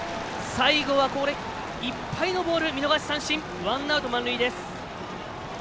最後はいっぱいのボール見逃し三振ワンアウト、満塁です。